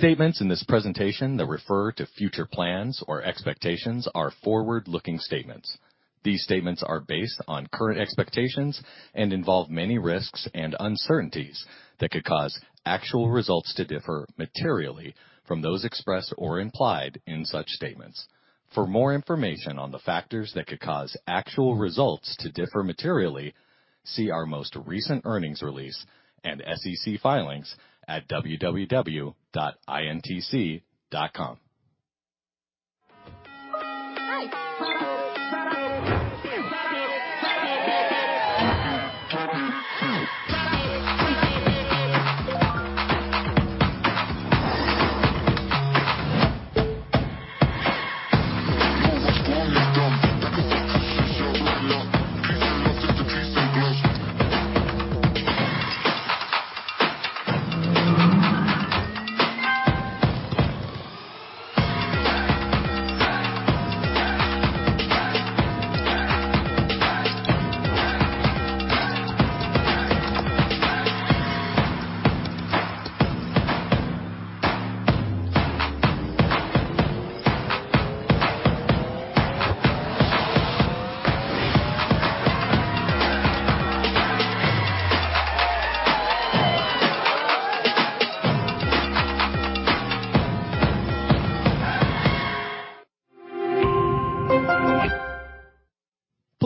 Statements in this presentation that refer to future plans or expectations are forward-looking statements. These statements are based on current expectations and involve many risks and uncertainties that could cause actual results to differ materially from those expressed or implied in such statements. For more information on the factors that could cause actual results to differ materially, see our most recent earnings release and SEC filings at www.intc.com.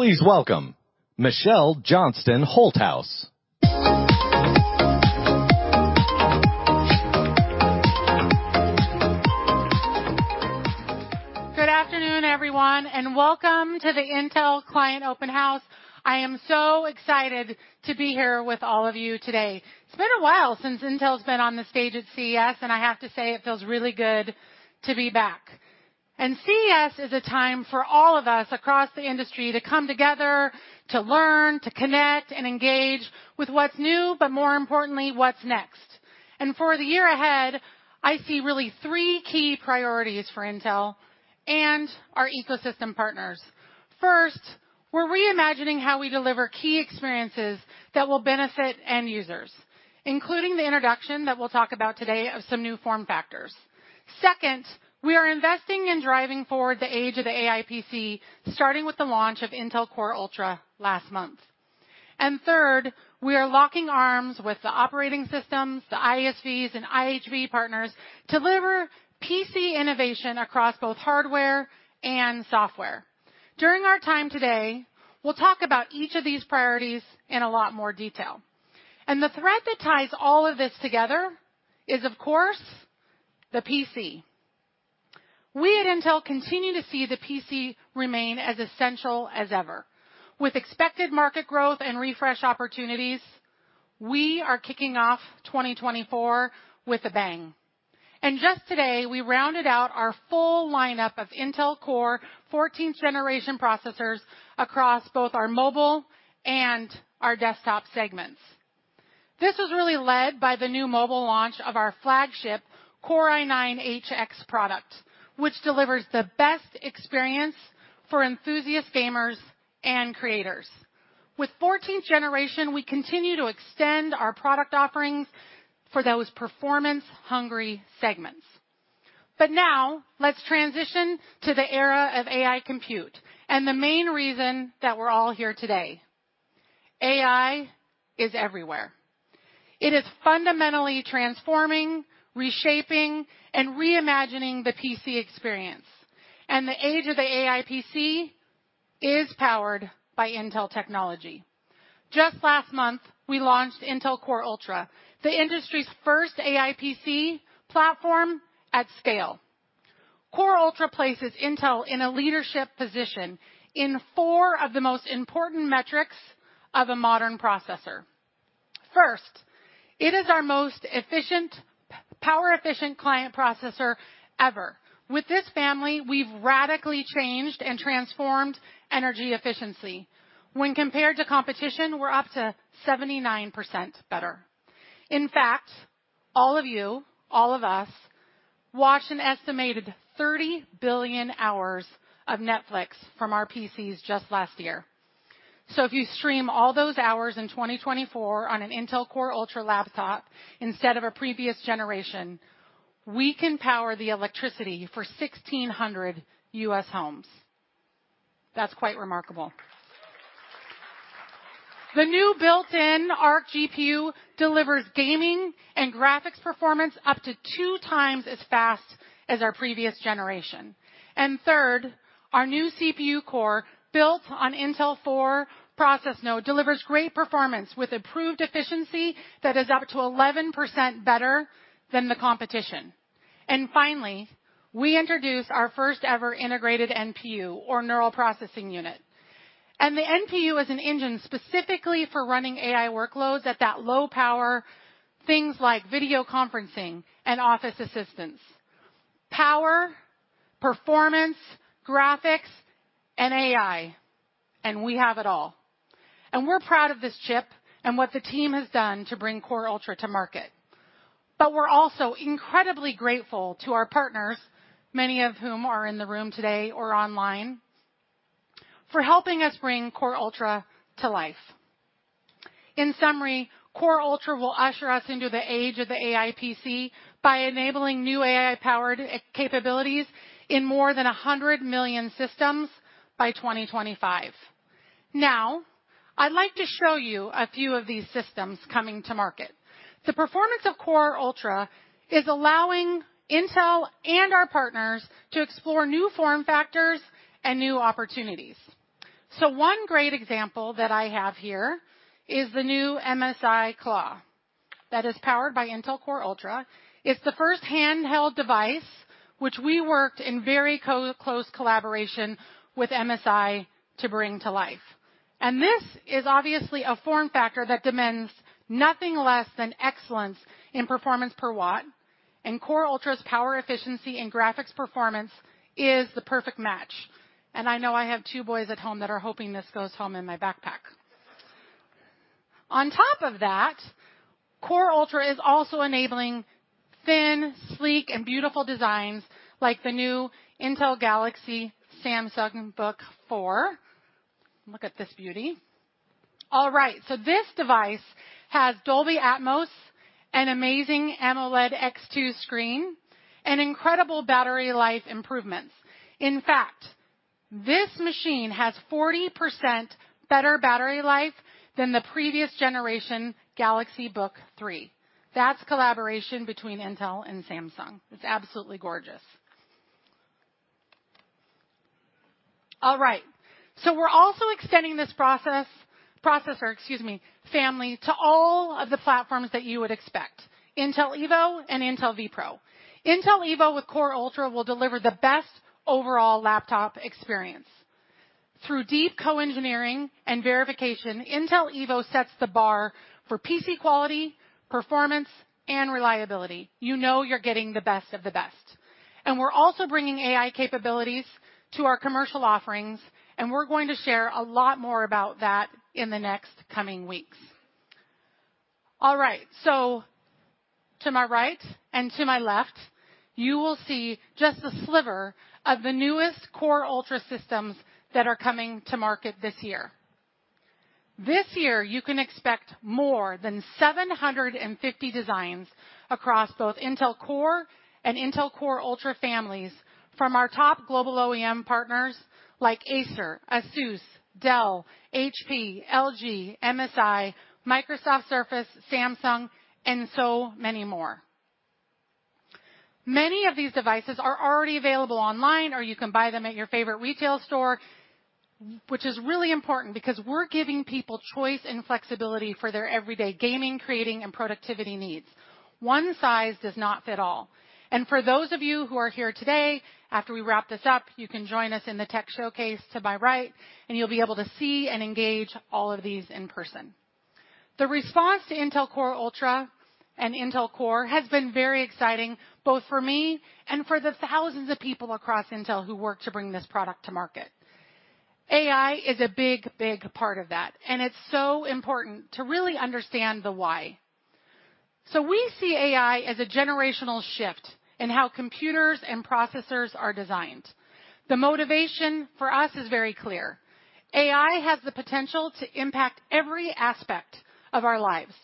Please welcome Michelle Johnston Holthaus. Good afternoon, everyone, and welcome to the Intel Client Open House. I am so excited to be here with all of you today. It's been a while since Intel's been on the stage at CES, and I have to say it feels really good to be back. CES is a time for all of us across the industry to come together, to learn, to connect and engage with what's new, but more importantly, what's next. For the year ahead, I see really three key priorities for Intel and our ecosystem partners. First, we're reimagining how we deliver key experiences that will benefit end users, including the introduction that we'll talk about today of some new form factors. Second, we are investing in driving forward the age of the AI PC, starting with the launch of Intel Core Ultra last month. And third, we are locking arms with the operating systems, the ISVs and IHV partners to deliver PC innovation across both hardware and software. During our time today, we'll talk about each of these priorities in a lot more detail. The thread that ties all of this together is, of course, the PC. We at Intel continue to see the PC remain as essential as ever. With expected market growth and refresh opportunities, we are kicking off 2024 with a bang. Just today, we rounded out our full lineup of Intel Core 14th-generation processors across both our mobile and our desktop segments. This was really led by the new mobile launch of our flagship Core i9 HX product, which delivers the best experience for enthusiast gamers and creators. With 14th generation, we continue to extend our product offerings for those performance-hungry segments. But now let's transition to the era of AI compute and the main reason that we're all here today. AI is everywhere. It is fundamentally transforming, reshaping, and reimagining the PC experience, and the age of the AI PC is powered by Intel technology. Just last month, we launched Intel Core Ultra, the industry's first AI PC platform at scale. Core Ultra places Intel in a leadership position in four of the most important metrics of a modern processor. First, it is our most efficient power-efficient client processor ever. With this family, we've radically changed and transformed energy efficiency. When compared to competition, we're up to 79% better. In fact, all of you, all of us, watched an estimated 30 billion hours of Netflix from our PCs just last year. So if you stream all those hours in 2024 on an Intel Core Ultra laptop instead of a previous generation, we can power the electricity for 1,600 U.S. homes. That's quite remarkable. The new built-in Arc GPU delivers gaming and graphics performance up to 2x as fast as our previous generation. And third, our new CPU core, built on Intel 4 process node, delivers great performance with improved efficiency that is up to 11% better than the competition. And finally, we introduced our first-ever integrated NPU, or neural processing unit. And the NPU is an engine specifically for running AI workloads at that low power, things like video conferencing and office assistance. Power, performance, graphics, and AI, and we have it all. And we're proud of this chip and what the team has done to bring Core Ultra to market. But we're also incredibly grateful to our partners, many of whom are in the room today or online... for helping us bring Core Ultra to life. In summary, Core Ultra will usher us into the age of the AI PC by enabling new AI-powered capabilities in more than 100 million systems by 2025. Now, I'd like to show you a few of these systems coming to market. The performance of Core Ultra is allowing Intel and our partners to explore new form factors and new opportunities. So one great example that I have here is the new MSI Claw that is powered by Intel Core Ultra. It's the first handheld device which we worked in very close collaboration with MSI to bring to life. This is obviously a form factor that demands nothing less than excellence in performance per watt, and Core Ultra's power efficiency and graphics performance is the perfect match, and I know I have two boys at home that are hoping this goes home in my backpack. On top of that, Core Ultra is also enabling thin, sleek, and beautiful designs like the new Samsung Galaxy Book4. Look at this beauty. All right, so this device has Dolby Atmos, an amazing AMOLED 2X screen, and incredible battery life improvements. In fact, this machine has 40% better battery life than the previous generation Galaxy Book3. That's collaboration between Intel and Samsung. It's absolutely gorgeous. All right. So we're also extending this processor, excuse me, family, to all of the platforms that you would expect, Intel Evo and Intel vPro. Intel Evo with Core Ultra will deliver the best overall laptop experience. Through deep co-engineering and verification, Intel Evo sets the bar for PC quality, performance, and reliability. You know you're getting the best of the best. And we're also bringing AI capabilities to our commercial offerings, and we're going to share a lot more about that in the next coming weeks. All right, so to my right and to my left, you will see just a sliver of the newest Core Ultra systems that are coming to market this year. This year, you can expect more than 750 designs across both Intel Core and Intel Core Ultra families from our top global OEM partners like Acer, Asus, Dell, HP, LG, MSI, Microsoft Surface, Samsung, and so many more. Many of these devices are already available online, or you can buy them at your favorite retail store, which is really important because we're giving people choice and flexibility for their everyday gaming, creating, and productivity needs. One size does not fit all. For those of you who are here today, after we wrap this up, you can join us in the tech showcase to my right, and you'll be able to see and engage all of these in person. The response to Intel Core Ultra and Intel Core has been very exciting, both for me and for the thousands of people across Intel who work to bring this product to market. AI is a big, big part of that, and it's so important to really understand the why. We see AI as a generational shift in how computers and processors are designed. The motivation for us is very clear: AI has the potential to impact every aspect of our lives,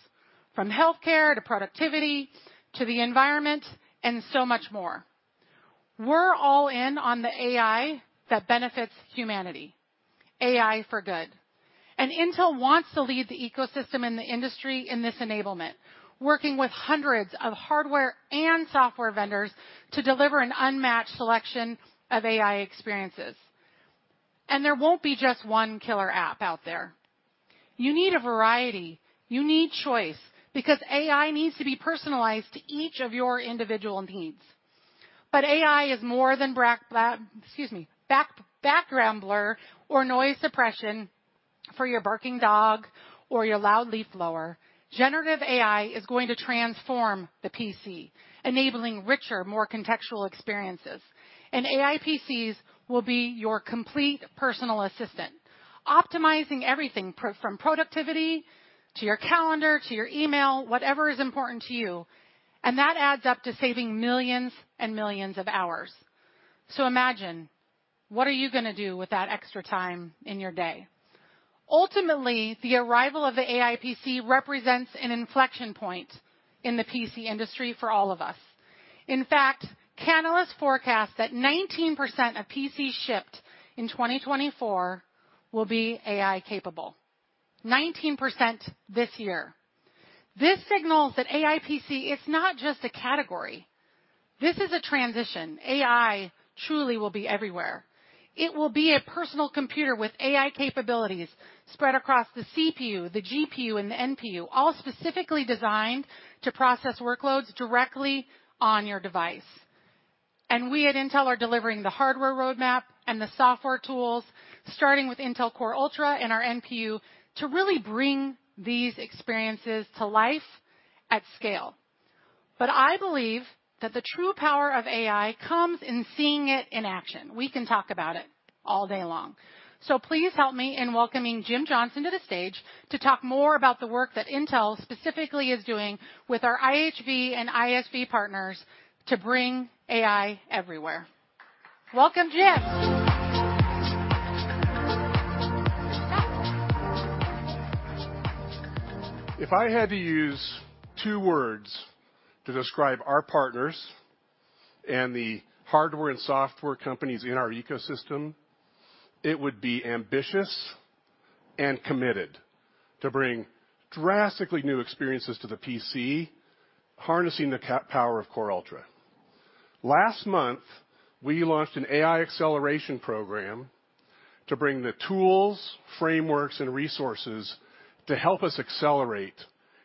from healthcare, to productivity, to the environment, and so much more. We're all in on the AI that benefits humanity, AI for good. Intel wants to lead the ecosystem and the industry in this enablement, working with hundreds of hardware and software vendors to deliver an unmatched selection of AI experiences. There won't be just one killer app out there. You need a variety. You need choice, because AI needs to be personalized to each of your individual needs. But AI is more than background blur or noise suppression for your barking dog or your loud leaf blower. Generative AI is going to transform the PC, enabling richer, more contextual experiences. AI PCs will be your complete personal assistant, optimizing everything from productivity to your calendar, to your email, whatever is important to you, and that adds up to saving millions and millions of hours. So imagine, what are you going to do with that extra time in your day? Ultimately, the arrival of the AI PC represents an inflection point in the PC industry for all of us. In fact, Canalys forecasts that 19% of PCs shipped in 2024 will be AI-capable. 19% this year. This signals that AI PC is not just a category. This is a transition. AI truly will be everywhere. It will be a personal computer with AI capabilities spread across the CPU, the GPU, and the NPU, all specifically designed to process workloads directly on your device. We at Intel are delivering the hardware roadmap and the software tools, starting with Intel Core Ultra and our NPU, to really bring these experiences to life at scale. I believe that the true power of AI comes in seeing it in action. We can talk about it all day long. Please help me in welcoming Jim Johnson to the stage to talk more about the work that Intel specifically is doing with our IHV and ISV partners to bring AI everywhere. Welcome, Jim. If I had to use two words to describe our partners and the hardware and software companies in our ecosystem, it would be ambitious and committed to bring drastically new experiences to the PC, harnessing the power of Core Ultra. Last month, we launched an AI acceleration program to bring the tools, frameworks, and resources to help us accelerate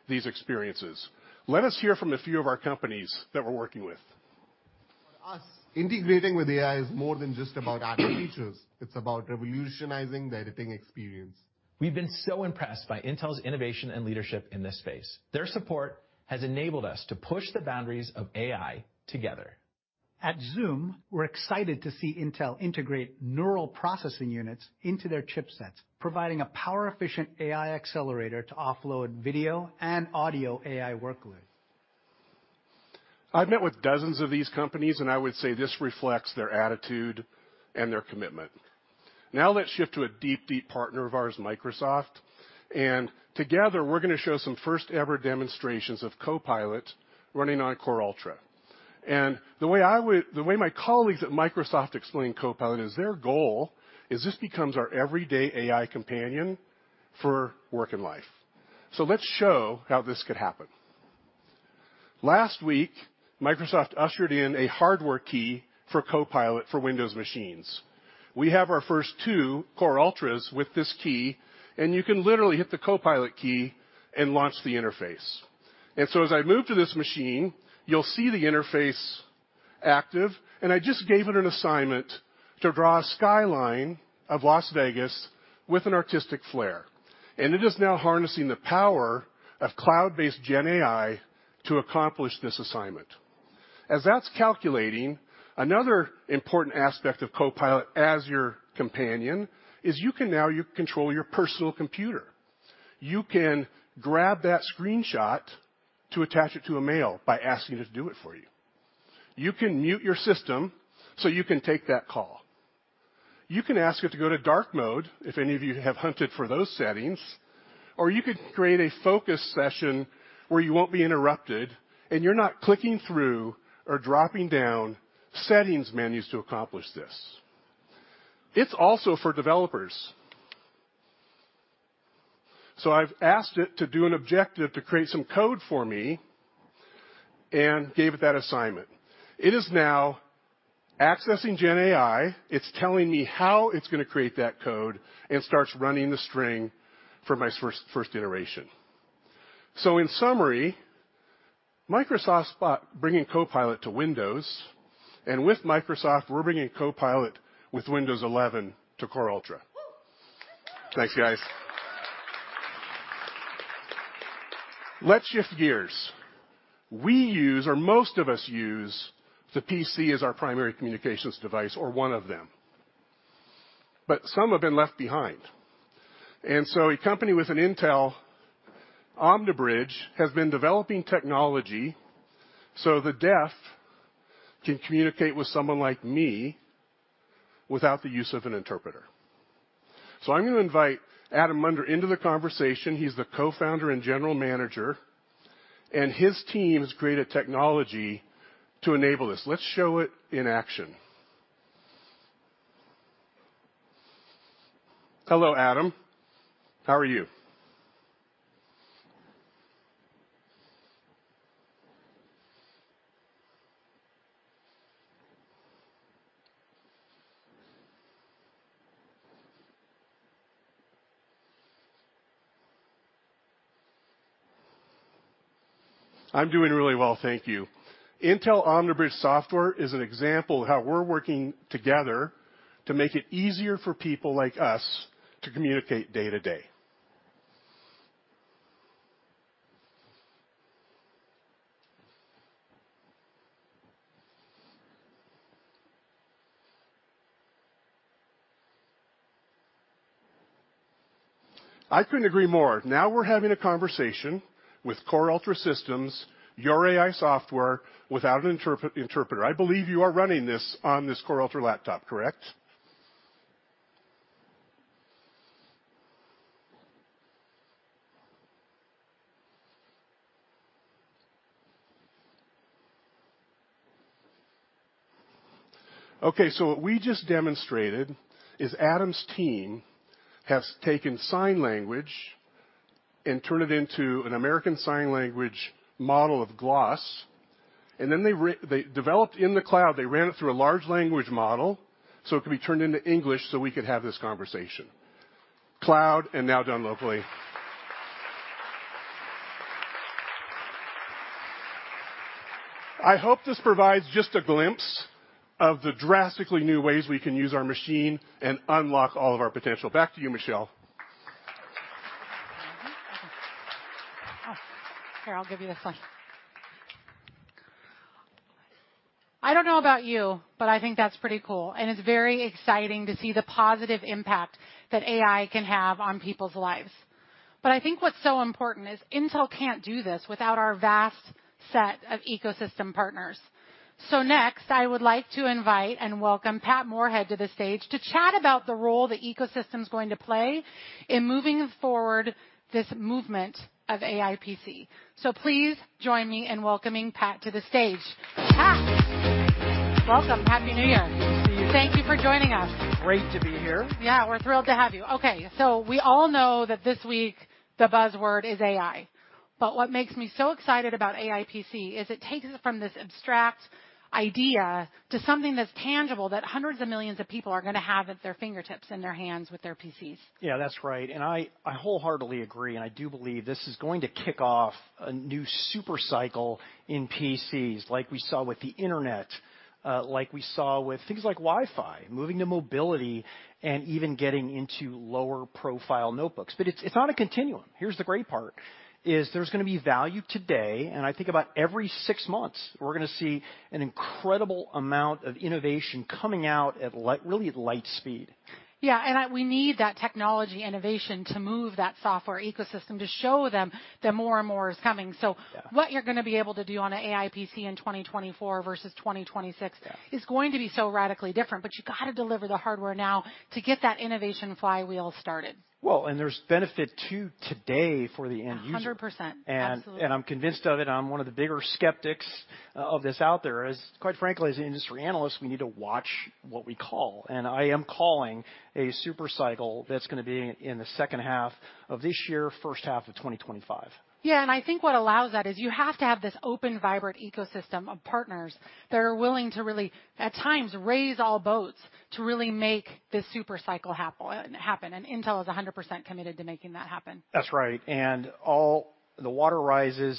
these experiences. Let us hear from a few of our companies that we're working with. For us, integrating with AI is more than just about adding features. It's about revolutionizing the editing experience. We've been so impressed by Intel's innovation and leadership in this space. Their support has enabled us to push the boundaries of AI together. At Zoom, we're excited to see Intel integrate neural processing units into their chipsets, providing a power-efficient AI accelerator to offload video and audio AI workloads. I've met with dozens of these companies, and I would say this reflects their attitude and their commitment. Now let's shift to a deep, deep partner of ours, Microsoft, and together, we're going to show some first-ever demonstrations of Copilot running on Core Ultra. The way my colleagues at Microsoft explain Copilot is their goal is this becomes our everyday AI companion for work and life. So let's show how this could happen. Last week, Microsoft ushered in a hardware key for Copilot for Windows machines. We have our first two Core Ultras with this key, and you can literally hit the Copilot key and launch the interface. And so as I move to this machine, you'll see the interface active, and I just gave it an assignment to draw a skyline of Las Vegas with an artistic flair. It is now harnessing the power of cloud-based Gen AI to accomplish this assignment. As that's calculating, another important aspect of Copilot as your companion is you can now control your personal computer. You can grab that screenshot to attach it to a mail by asking it to do it for you. You can mute your system so you can take that call. You can ask it to go to dark mode if any of you have hunted for those settings, or you could create a focus session where you won't be interrupted, and you're not clicking through or dropping down settings menus to accomplish this. It's also for developers. So I've asked it to do an objective to create some code for me and gave it that assignment. It is now accessing Gen AI. It's telling me how it's going to create that code and starts running the string for my first, first iteration. So in summary, Microsoft's bringing Copilot to Windows, and with Microsoft, we're bringing Copilot with Windows 11 to Core Ultra. Thanks, guys. Let's shift gears. We use, or most of us use, the PC as our primary communications device or one of them, but some have been left behind. A company with Intel, OmniBridge, has been developing technology so the deaf can communicate with someone like me without the use of an interpreter. So I'm going to invite Adam Munder into the conversation. He's the co-founder and general manager, and his team has created technology to enable this. Let's show it in action. Hello, Adam. How are you? I'm doing really well, thank you. Intel OmniBridge software is an example of how we're working together to make it easier for people like us to communicate day to day. I couldn't agree more. Now we're having a conversation with Core Ultra Systems, your AI software, without an interpreter. I believe you are running this on this Core Ultra laptop, correct? Okay, so what we just demonstrated is Adam's team has taken sign language and turned it into an American Sign Language model of gloss, and then they developed in the cloud. They ran it through a large language model, so it could be turned into English, so we could have this conversation. Cloud and now done locally. I hope this provides just a glimpse of the drastically new ways we can use our machine and unlock all of our potential. Back to you, Michelle. Here, I'll give you this one. I don't know about you, but I think that's pretty cool, and it's very exciting to see the positive impact that AI can have on people's lives. But I think what's so important is Intel can't do this without our vast set of ecosystem partners… So next, I would like to invite and welcome Pat Moorhead to the stage to chat about the role the ecosystem is going to play in moving forward this movement of AI PC. So please join me in welcoming Pat to the stage. Pat, welcome. Happy New Year. Good to see you. Thank you for joining us. Great to be here. Yeah, we're thrilled to have you. Okay, so we all know that this week the buzzword is AI, but what makes me so excited about AI PC is it takes it from this abstract idea to something that's tangible, that hundreds of millions of people are going to have at their fingertips, in their hands, with their PCs. Yeah, that's right, and I, I wholeheartedly agree, and I do believe this is going to kick off a new super cycle in PCs like we saw with the internet, like we saw with things like Wi-Fi, moving to mobility and even getting into lower profile notebooks. But it's, it's on a continuum. Here's the great part, is there's going to be value today, and I think about every six months, we're going to see an incredible amount of innovation coming out at light, really, at light speed. Yeah, and we need that technology innovation to move that software ecosystem, to show them that more and more is coming. Yeah. What you're going to be able to do on an AI PC in 2024 versus 2026- Yeah Is going to be so radically different, but you got to deliver the hardware now to get that innovation flywheel started. Well, and there's benefit, too, today for the end user. 100%. Absolutely. And I'm convinced of it. I'm one of the bigger skeptics of this out there, as quite frankly, as an industry analyst, we need to watch what we call, and I am calling a super cycle that's going to be in the second half of this year, first half of 2025. Yeah, and I think what allows that is you have to have this open, vibrant ecosystem of partners that are willing to really, at times, raise all boats to really make this super cycle happen. And Intel is 100% committed to making that happen. That's right. All the water rises...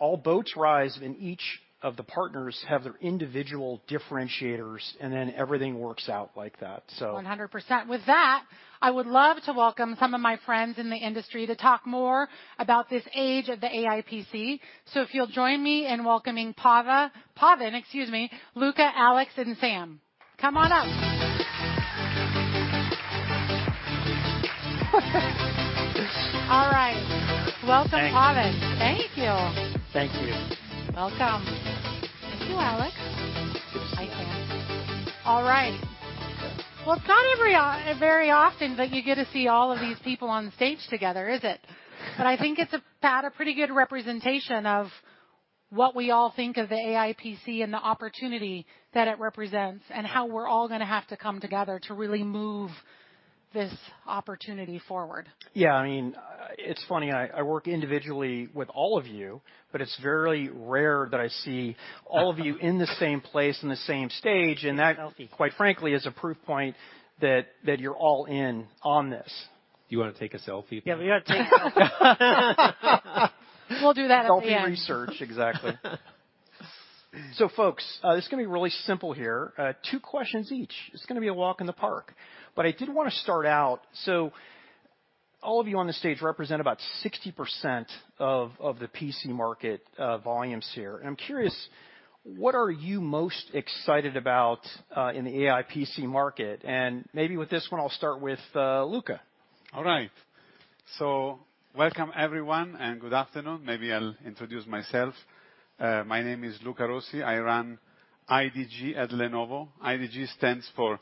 All boats rise, and each of the partners have their individual differentiators, and then everything works out like that, so. 100%. With that, I would love to welcome some of my friends in the industry to talk more about this age of the AI PC. So if you'll join me in welcoming Pavan, excuse me, Luca, Alex, and Sam. Come on up. All right. Welcome, Pavan. Thank you. Thank you. Thank you. Welcome. Thank you, Alex. Hi, Sam. All right. Well, it's not every of-- very often that you get to see all of these people on stage together, is it? But I think it's a, Pat, a pretty good representation of what we all think of the AI PC and the opportunity that it represents, and how we're all going to have to come together to really move this opportunity forward. Yeah, I mean, it's funny. I, I work individually with all of you, but it's very rare that I see all of you in the same place, in the same stage, and that- Selfie Quite frankly, is a proof point that you're all in on this. Do you want to take a selfie? Yeah, we ought to take a selfie. We'll do that at the end. Selfie research. Exactly. So, folks, this is going to be really simple here. Two questions each. It's going to be a walk in the park. But I did want to start out... So all of you on the stage represent about 60% of the PC market volumes here. And I'm curious, what are you most excited about in the AI PC market? And maybe with this one, I'll start with Luca. All right. So welcome, everyone, and good afternoon. Maybe I'll introduce myself. My name is Luca Rossi. I run IDG at Lenovo. IDG stands for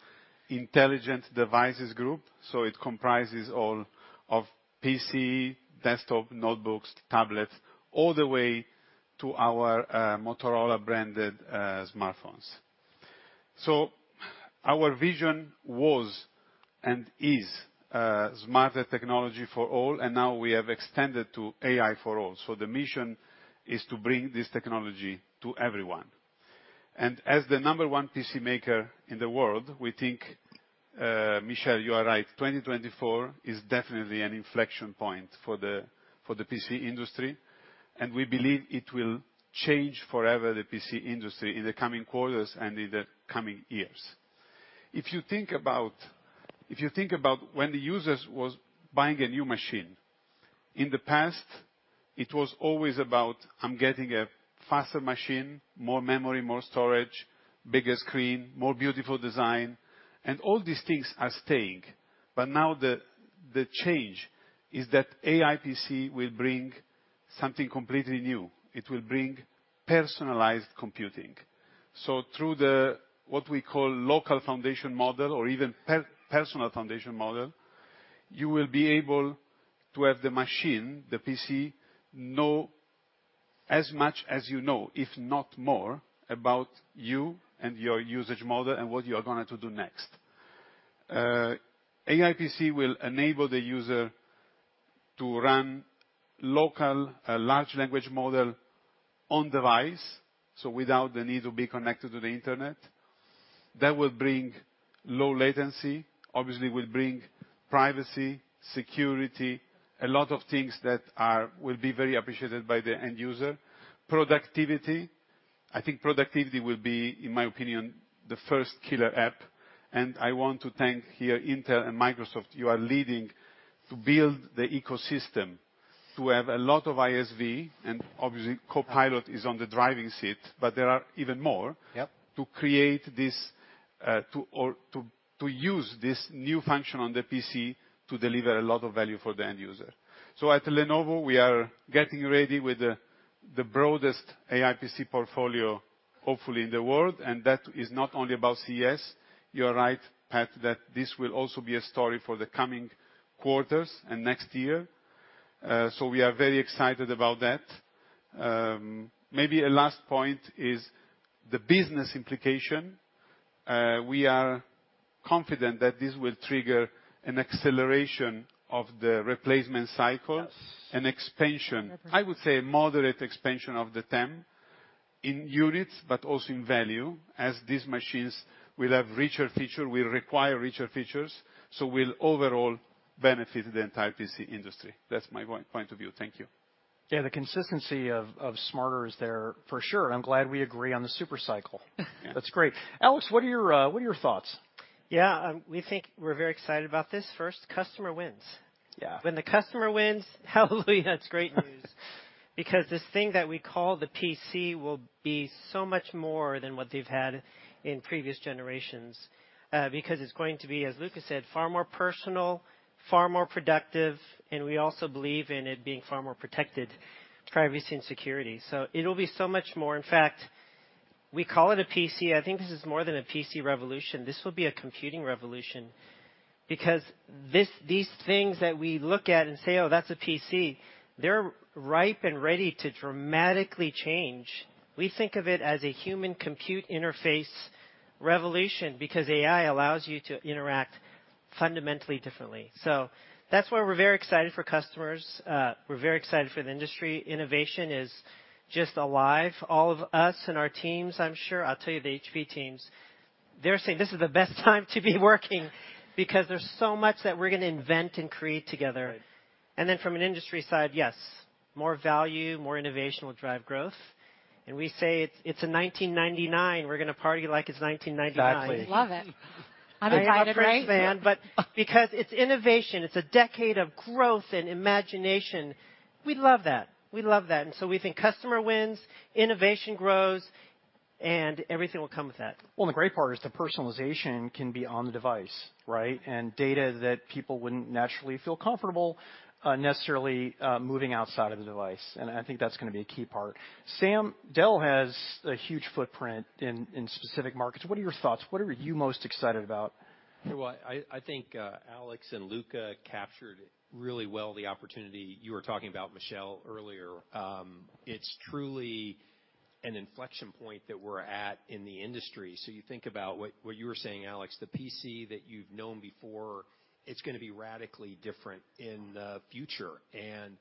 Intelligent Devices Group. So it comprises all of PC, desktop, notebooks, tablets, all the way to our, Motorola branded, smartphones. So our vision was and is, smarter technology for all, and now we have extended to AI for all. So the mission is to bring this technology to everyone. And as the number one PC maker in the world, we think, Michelle, you are right, 2024 is definitely an inflection point for the PC industry, and we believe it will change forever the PC industry in the coming quarters and in the coming years. If you think about when the users was buying a new machine, in the past, it was always about, I'm getting a faster machine, more memory, more storage, bigger screen, more beautiful design, and all these things are staying. But now the change is that AI PC will bring something completely new. It will bring personalized computing. So through the what we call local foundation model or even personal foundation model, you will be able to have the machine, the PC, know as much as you know, if not more, about you and your usage model and what you are going to do next. AI PC will enable the user to run local large language model on device, so without the need to be connected to the Internet. That will bring low latency, obviously will bring privacy, security, a lot of things that are—will be very appreciated by the end user. Productivity. I think productivity will be, in my opinion, the first killer app, and I want to thank here Intel and Microsoft. You are leading to build the ecosystem, to have a lot of ISV, and obviously, Copilot is on the driving seat, but there are even more- Yep -to create this... To use this new function on the PC to deliver a lot of value for the end user. So at Lenovo, we are getting ready with the broadest AI PC portfolio, hopefully in the world, and that is not only about CES. You're right, Pat, that this will also be a story for the coming quarters and next year. So we are very excited about that. Maybe a last point is the business implication. We are confident that this will trigger an acceleration of the replacement cycle, an expansion, I would say a moderate expansion of the TAM in units, but also in value, as these machines will have richer feature, will require richer features, so will overall benefit the entire PC industry. That's my point of view. Thank you. Yeah, the consistency of smarter is there for sure, and I'm glad we agree on the super cycle. That's great. Alex, what are your thoughts? Yeah, we think we're very excited about this. First, customer wins. Yeah. When the customer wins, hallelujah, that's great news. Because this thing that we call the PC will be so much more than what they've had in previous generations, because it's going to be, as Luca said, far more personal, far more productive, and we also believe in it being far more protected, privacy and security. So it'll be so much more. In fact, we call it a PC. I think this is more than a PC revolution. This will be a computing revolution because this, these things that we look at and say, "Oh, that's a PC," they're ripe and ready to dramatically change. We think of it as a human compute interface revolution, because AI allows you to interact fundamentally differently. So that's why we're very excited for customers. We're very excited for the industry. Innovation is just alive. All of us and our teams, I'm sure... I'll tell you, the HP teams, they're saying this is the best time to be working because there's so much that we're going to invent and create together. And then from an industry side, yes, more value, more innovation will drive growth. And we say it's, it's a 1999. We're going to party like it's 1999. Exactly. Love it. I'm excited, right? But because it's innovation, it's a decade of growth and imagination, we love that. We love that, and so we think customer wins, innovation grows, and everything will come with that. Well, the great part is the personalization can be on the device, right? And data that people wouldn't naturally feel comfortable necessarily moving outside of the device, and I think that's going to be a key part. Sam, Dell has a huge footprint in specific markets. What are your thoughts? What are you most excited about? Well, I think, Alex and Luca captured really well the opportunity you were talking about, Michelle, earlier. It's truly an inflection point that we're at in the industry. So you think about what you were saying, Alex, the PC that you've known before, it's going to be radically different in the future, and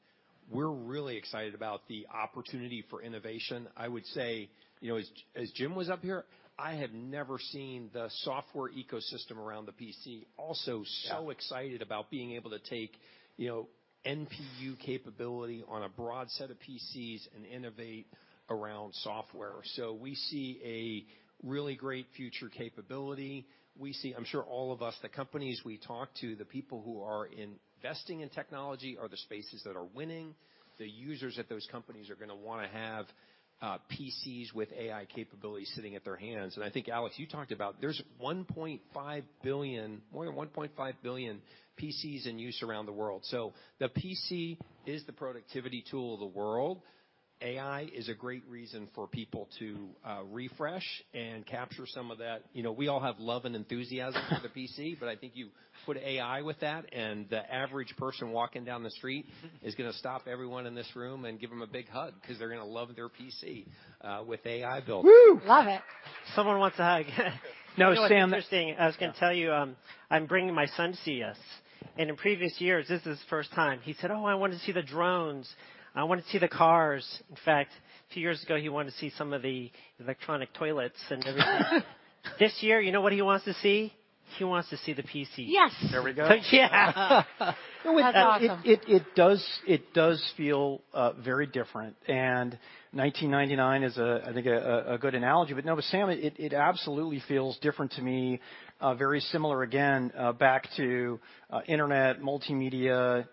we're really excited about the opportunity for innovation. I would say, you know, as Jim was up here, I have never seen the software ecosystem around the PC also so excited about being able to take, you know, NPU capability on a broad set of PCs and innovate around software. So we see a really great future capability. We see... I'm sure all of us, the companies we talk to, the people who are investing in technology, are the spaces that are winning. The users at those companies are going to want to have, PCs with AI capabilities sitting at their hands. And I think, Alex, you talked about there's 1.5 billion, more than 1.5 billion PCs in use around the world. So the PC is the productivity tool of the world. AI is a great reason for people to, refresh and capture some of that. You know, we all have love and enthusiasm for the PC, but I think you put AI with that, and the average person walking down the street is going to stop everyone in this room and give them a big hug because they're going to love their PC, with AI built. Whoo! Love it. Someone wants a hug. No, Sam- What's interesting, I was going to tell you, I'm bringing my son to CES, and in previous years, this is his first time. He said, "Oh, I want to see the drones. I want to see the cars." In fact, a few years ago, he wanted to see some of the electronic toilets and everything. This year, you know what he wants to see? He wants to see the PC. Yes. There we go. Yeah. That's awesome. It does feel very different, and 1999 is, I think, a good analogy. But no, Sam, it absolutely feels different to me. Very similar again, back to internet, multimedia,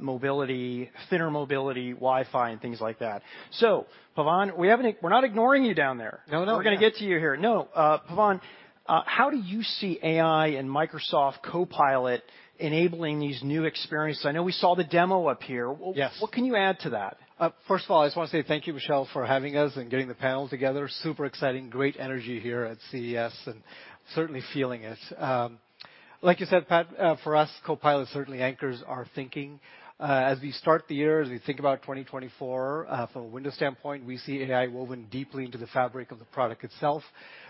mobility, thinner mobility, Wi-Fi, and things like that. So, Pavan, we haven't... We're not ignoring you down there. No, no. We're going to get to you here. No, Pavan, how do you see AI and Microsoft Copilot enabling these new experiences? I know we saw the demo up here. Yes. What can you add to that? First of all, I just want to say thank you, Michelle, for having us and getting the panel together. Super exciting. Great energy here at CES and certainly feeling it. Like you said, Pat, for us, Copilot certainly anchors our thinking. As we start the year, as we think about 2024, from a Windows standpoint, we see AI woven deeply into the fabric of the product itself,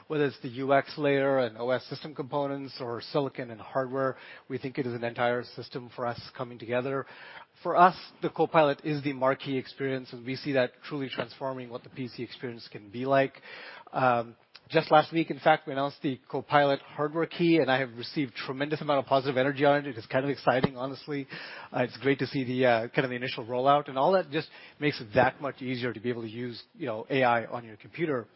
whether it's the UX layer and OS system components or silicon and hardware, we think it is an entire system for us coming together. For us, the Copilot is the marquee experience, and we see that truly transforming what the PC experience can be like. Just last week, in fact, we announced the Copilot hardware key, and I have received tremendous amount of positive energy on it. It is kind of exciting, honestly. It's great to see the kind of the initial rollout, and all that just makes it that much easier to be able to use, you know, AI on your computer.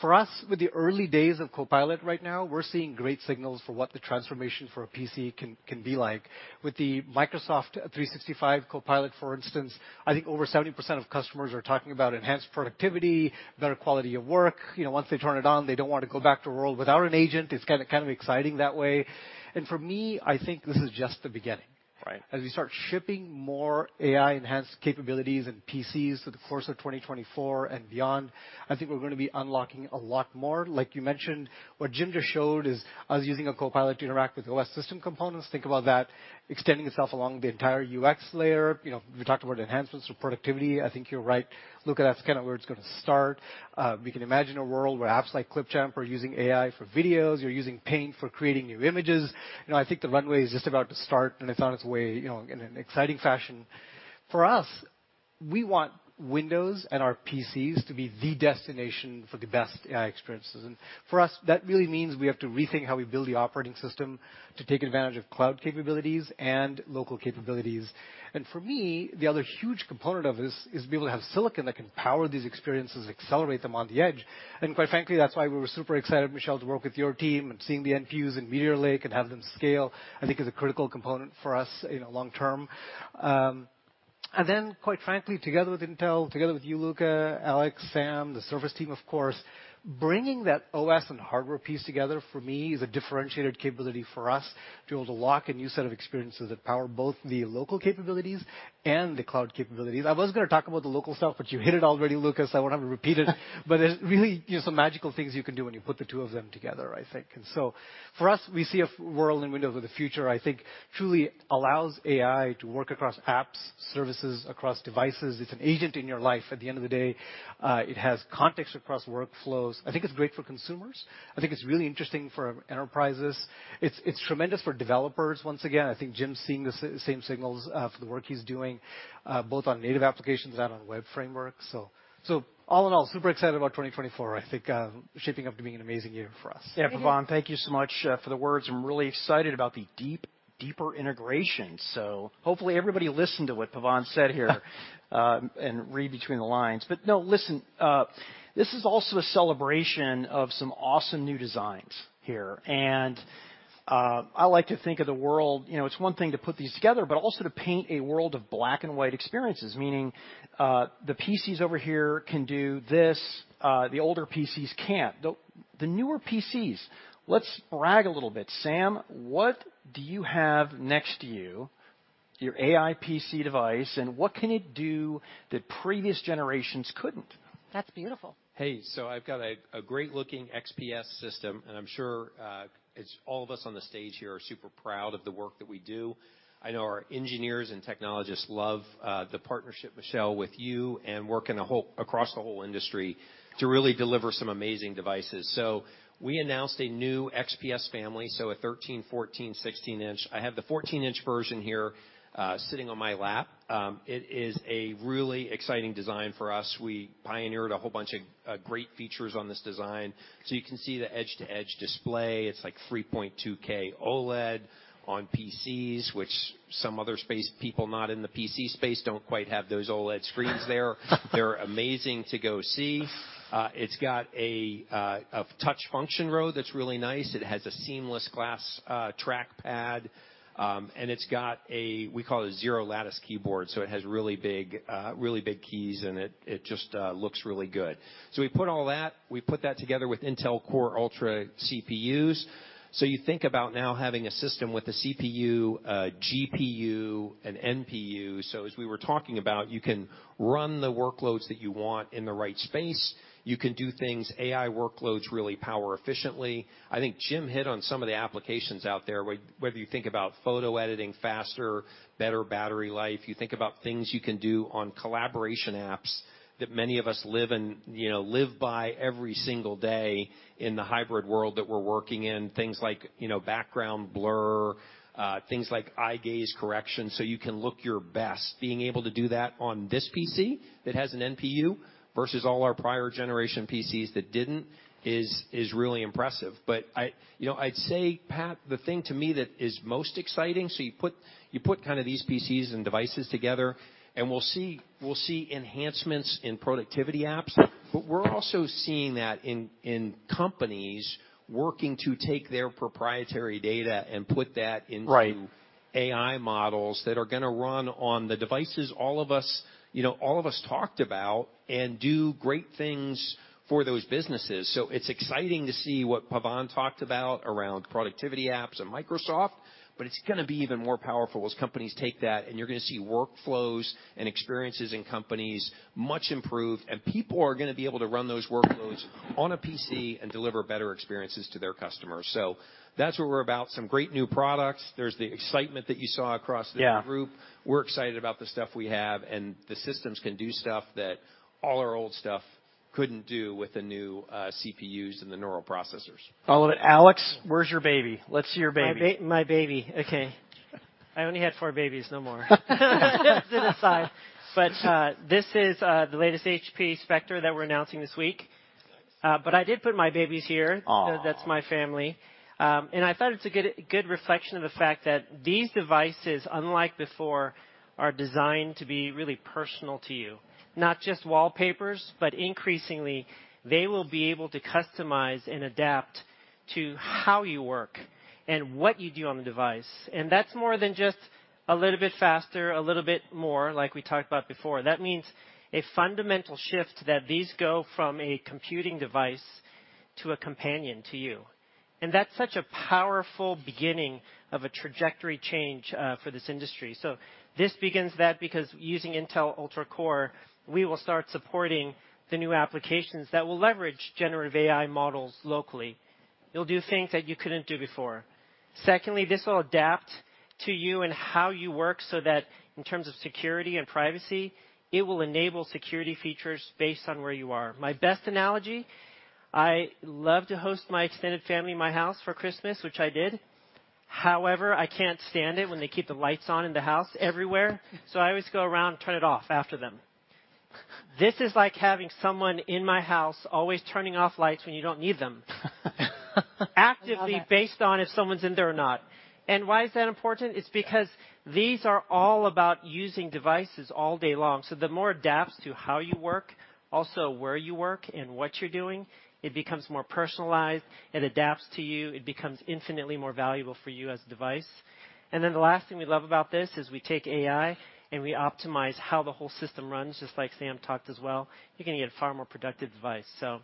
For us, with the early days of Copilot right now, we're seeing great signals for what the transformation for a PC can be like. With the Microsoft 365 Copilot, for instance, I think over 70% of customers are talking about enhanced productivity, better quality of work. You know, once they turn it on, they don't want to go back to a world without an agent. It's kind of exciting that way. And for me, I think this is just the beginning. As we start shipping more AI-enhanced capabilities and PCs through the course of 2024 and beyond, I think we're going to be unlocking a lot more. Like you mentioned, what Jim just showed is us using a Copilot to interact with OS system components. Think about that, extending itself along the entire UX layer. You know, we talked about enhancements for productivity. I think you're right, Luca, that's kind of where it's going to start. We can imagine a world where apps like Clipchamp are using AI for videos. You're using Paint for creating new images. You know, I think the runway is just about to start, and it's on its way, you know, in an exciting fashion. For us, we want Windows and our PCs to be the destination for the best AI experiences, and for us, that really means we have to rethink how we build the operating system to take advantage of cloud capabilities and local capabilities. For me, the other huge component of this is to be able to have silicon that can power these experiences, accelerate them on the edge. Quite frankly, that's why we were super excited, Michelle, to work with your team and seeing the NPUs in Meteor Lake and have them scale, I think is a critical component for us in the long term. And then, quite frankly, together with Intel, together with you, Luca, Alex, Sam, the Surface team, of course, bringing that OS and hardware piece together, for me, is a differentiated capability for us to be able to lock a new set of experiences that power both the local capabilities and the cloud capabilities. I was going to talk about the local stuff, but you hit it already, Luca. I won't have it repeated. But there's really some magical things you can do when you put the two of them together, I think. And so for us, we see a world in Windows of the future, I think truly allows AI to work across apps, services, across devices. It's an agent in your life. At the end of the day, it has context across workflows. I think it's great for consumers. I think it's really interesting for enterprises. It's tremendous for developers. Once again, I think Jim's seeing the same signals for the work he's doing both on native applications and on web frameworks. So all in all, super excited about 2024. I think shaping up to be an amazing year for us. Yeah, Pavan, thank you so much for the words. I'm really excited about the deep, deeper integration, so hopefully everybody listened to what Pavan said here, and read between the lines. But no, listen, this is also a celebration of some awesome new designs here, and, I like to think of the world. You know, it's one thing to put these together, but also to paint a world of black-and-white experiences, meaning, the PCs over here can do this, the older PCs can't. The newer PCs, let's brag a little bit. Sam, what do you have next to you, your AI PC device, and what can it do that previous generations couldn't? That's beautiful. Hey, so I've got a great-looking XPS system, and I'm sure it's all of us on the stage here are super proud of the work that we do. I know our engineers and technologists love the partnership, Michelle, with you and working across the whole industry to really deliver some amazing devices. So we announced a new XPS family, so a 13-, 14-, 16-inch. I have the 14-inch version here sitting on my lap. It is a really exciting design for us. We pioneered a whole bunch of great features on this design, so you can see the edge-to-edge display. It's like 3.2K OLED on PCs, which some other space people not in the PC space don't quite have those OLED screens there. They're amazing to go see. It's got a touch function row that's really nice. It has a seamless glass track pad, and it's got a, we call it a zero lattice keyboard, so it has really big keys, and it just looks really good. So we put all that together with Intel Core Ultra CPUs. So you think about now having a system with a CPU, a GPU, an NPU. So as we were talking about, you can run the workloads that you want in the right space. You can do things, AI workloads, really power efficiently. I think Jim hit on some of the applications out there, whether you think about photo editing, faster, better battery life. You think about things you can do on collaboration apps that many of us live and, you know, live by every single day in the hybrid world that we're working in. Things like, you know, background blur, things like eye gaze correction, so you can look your best. Being able to do that on this PC that has an NPU versus all our prior generation PCs that didn't is really impressive. But I. You know, I'd say, Pat, the thing to me that is most exciting, so you put kind of these PCs and devices together, and we'll see enhancements in productivity apps, but we're also seeing that in companies working to take their proprietary data and put that into- Right... AI models that are going to run on the devices all of us, you know, all of us talked about and do great things for those businesses. So it's exciting to see what Pavan talked about around productivity apps and Microsoft, but it's going to be even more powerful as companies take that, and you're going to see workflows and experiences in companies much improved, and people are going to be able to run those workloads on a PC and deliver better experiences to their customers. So that's what we're about, some great new products. There's the excitement that you saw across the- Yeah... group. We're excited about the stuff we have, and the systems can do stuff that all our old stuff couldn't do with the new CPUs and the neural processors. All of it. Alex, where's your baby? Let's see your baby. My baby. Okay. I only had four babies, no more. To the side. But this is the latest HP Spectre that we're announcing this week. Nice. but I did put my babies here. Aw! That's my family. And I thought it's a good, good reflection of the fact that these devices, unlike before, are designed to be really personal to you. Not just wallpapers, but increasingly, they will be able to customize and adapt to how you work and what you do on the device. And that's more than just a little bit faster, a little bit more, like we talked about before. That means a fundamental shift that these go from a computing device to a companion to you. And that's such a powerful beginning of a trajectory change for this industry. So this begins that because using Intel Core Ultra, we will start supporting the new applications that will leverage generative AI models locally. It'll do things that you couldn't do before. Secondly, this will adapt to you and how you work so that in terms of security and privacy, it will enable security features based on where you are. My best analogy, I love to host my extended family in my house for Christmas, which I did. However, I can't stand it when they keep the lights on in the house everywhere, so I always go around and turn it off after them. This is like having someone in my house, always turning off lights when you don't need them. I love it. Actively, based on if someone's in there or not. Why is that important? It's because these are all about using devices all day long. So the more it adapts to how you work, also where you work and what you're doing, it becomes more personalized. It adapts to you. It becomes infinitely more valuable for you as a device. And then the last thing we love about this is we take AI, and we optimize how the whole system runs, just like Sam talked as well. You're going to get a far more productive device, so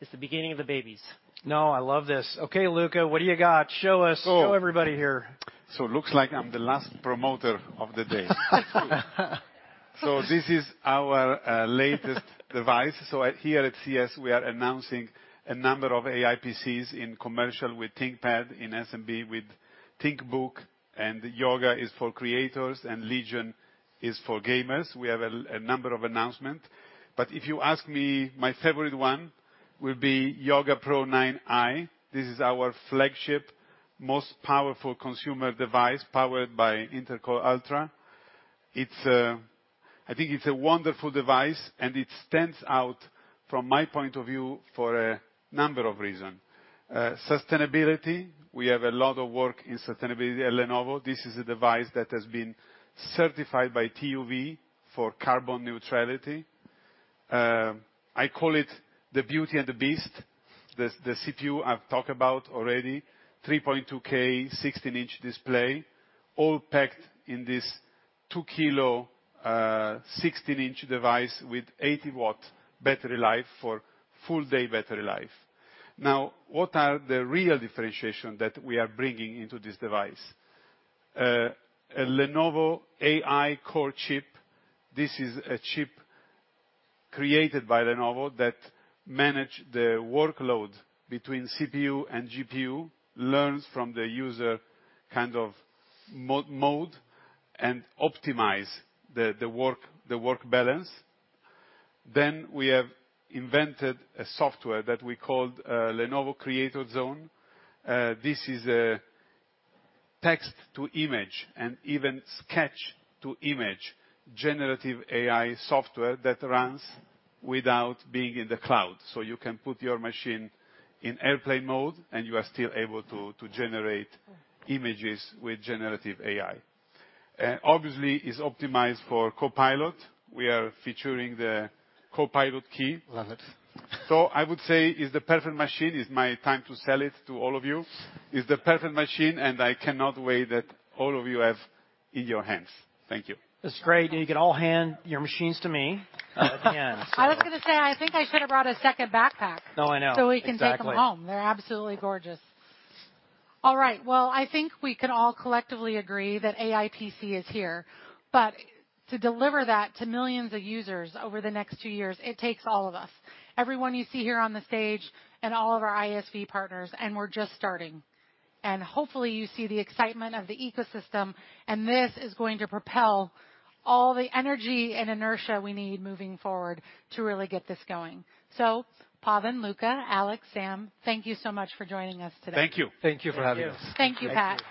it's the beginning of the babies. No, I love this. Okay, Luca, what do you got? Show us. So- Show everybody here. So it looks like I'm the last promoter of the day. So this is our latest device. So here at CES, we are announcing a number of AI PCs in commercial with ThinkPad, in SMB with ThinkBook, and Yoga is for creators, and Legion is for gamers. We have a number of announcement, but if you ask me, my favorite one will be Yoga Pro 9i. This is our flagship, most powerful consumer device, powered by Intel Core Ultra. It's I think it's a wonderful device, and it stands out from my point of view for a number of reason. Sustainability, we have a lot of work in sustainability at Lenovo. This is a device that has been certified by TÜV for carbon neutrality. I call it the Beauty and the Beast. The CPU I've talked about already, 3.2K 16-inch display, all packed in this 2-kg 16-in device with 80-watt battery life for full day battery life. Now, what are the real differentiation that we are bringing into this device? A Lenovo AI Core chip. This is a chip created by Lenovo that manage the workload between CPU and GPU, learns from the user kind of mode, and optimize the work balance. Then we have invented a software that we called Lenovo Creator Zone. This is a text-to-image and even sketch-to-image generative AI software that runs without being in the cloud. So you can put your machine in airplane mode, and you are still able to generate images with generative AI. Obviously, it's optimized for Copilot. We are featuring the Copilot key. Love it. I would say it's the perfect machine. It's my time to sell it to all of you. It's the perfect machine, and I cannot wait that all of you have in your hands. Thank you. This is great, and you can all hand your machines to me at the end, so. I was going to say, I think I should have brought a second backpack- No, I know. So we can take them home. Exactly. They're absolutely gorgeous. All right, well, I think we can all collectively agree that AI PC is here, but to deliver that to millions of users over the next two years, it takes all of us, everyone you see here on the stage and all of our ISV partners, and we're just starting. Hopefully, you see the excitement of the ecosystem, and this is going to propel all the energy and inertia we need moving forward to really get this going. Pavan, Luca, Alex, Sam, thank you so much for joining us today. Thank you. Thank you for having us. Thank you. Thank you, Pat.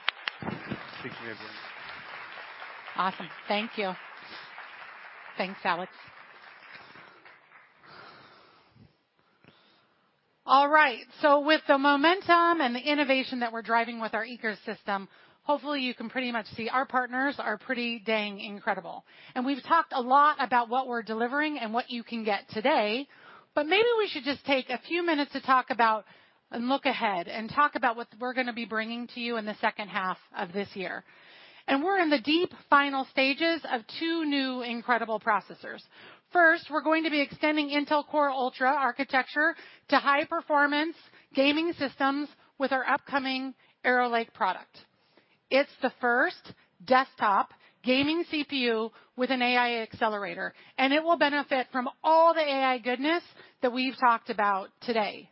Thank you, everyone. Awesome. Thank you. Thanks, Alex. All right. So with the momentum and the innovation that we're driving with our ecosystem, hopefully, you can pretty much see our partners are pretty dang incredible. And we've talked a lot about what we're delivering and what you can get today, but maybe we should just take a few minutes to talk about and look ahead and talk about what we're going to be bringing to you in the second half of this year. And we're in the deep final stages of two new incredible processors. First, we're going to be extending Intel Core Ultra architecture to high-performance gaming systems with our upcoming Arrow Lake product. It's the first desktop gaming CPU with an AI accelerator, and it will benefit from all the AI goodness that we've talked about today.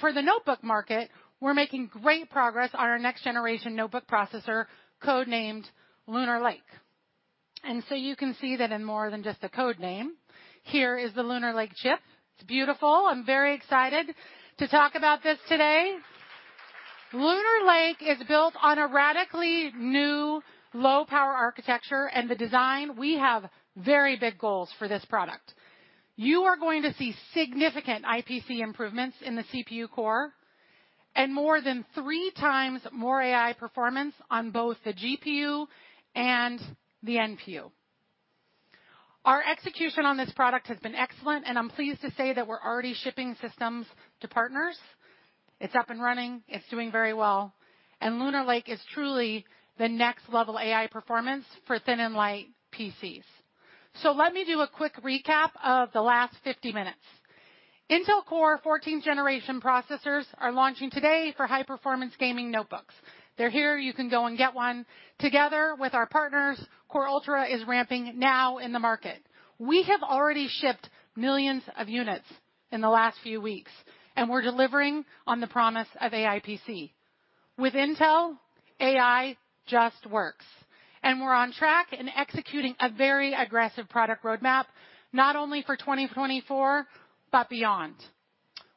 For the notebook market, we're making great progress on our next generation notebook processor, code-named Lunar Lake. So you can see that in more than just a code name. Here is the Lunar Lake chip. It's beautiful. I'm very excited to talk about this today. Lunar Lake is built on a radically new low-power architecture, and the design, we have very big goals for this product. You are going to see significant IPC improvements in the CPU core and more than three times more AI performance on both the GPU and the NPU. Our execution on this product has been excellent, and I'm pleased to say that we're already shipping systems to partners. It's up and running. It's doing very well, and Lunar Lake is truly the next-level AI performance for thin and light PCs. So let me do a quick recap of the last 50 minutes. Intel Core 14th-generation processors are launching today for high-performance gaming notebooks. They're here, you can go and get one. Together with our partners, Core Ultra is ramping now in the market. We have already shipped millions of units in the last few weeks, and we're delivering on the promise of AI PC. With Intel, AI just works, and we're on track in executing a very aggressive product roadmap, not only for 2024, but beyond.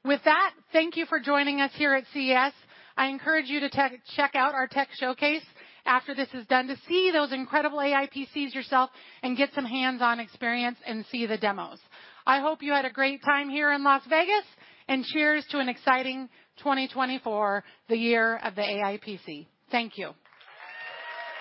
With that, thank you for joining us here at CES. I encourage you to check out our tech showcase after this is done, to see those incredible AI PCs yourself and get some hands-on experience and see the demos. I hope you had a great time here in Las Vegas, and cheers to an exciting 2024, the year of the AI PC. Thank you.